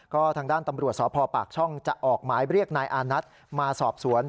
ก็ทางด้านตำรวจสพปากช่องจะออกหมายเรียกนายอานัทมาสอบสวน